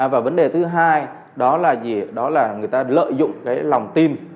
và vấn đề thứ hai đó là người ta lợi dụng lòng tin